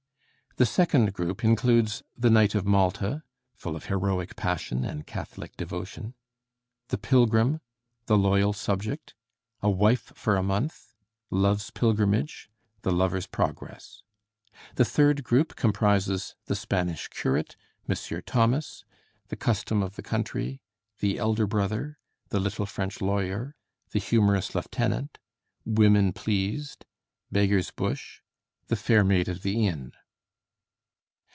The second group includes 'The Knight of Malta,' full of heroic passion and Catholic devotion, 'The Pilgrim,' 'The Loyal Subject,' 'A Wife for a Month,' 'Love's Pilgrimage,' 'The Lover's Progress.' The third group comprises 'The Spanish Curate,' 'Monsieur Thomas,' 'The Custom of the Country,' 'The Elder Brother,' 'The Little French Lawyer,' 'The Humorous Lieutenant,' 'Women Pleased,' 'Beggar's Bush,' 'The Fair Maid of the Inn.'